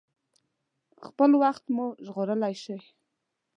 خپل وخت مو ژغورلی شئ.